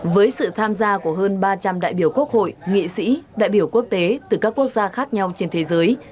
với sự tham gia của hơn ba trăm linh đại biểu quốc hội nghị sĩ đại biểu quốc tế từ các quốc gia khác nhau trên thế giới